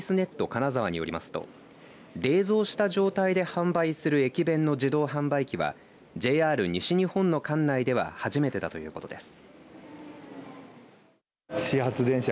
金沢によりますと冷蔵した状態で販売する駅弁の自動販売機はＪＲ西日本の管内では初めてだということです。